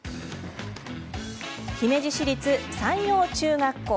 姫路市立山陽中学校。